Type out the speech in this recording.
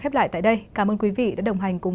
khép lại tại đây cảm ơn quý vị đã đồng hành cùng